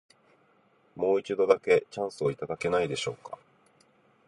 もう一度だけ、チャンスをいただけないでしょうか。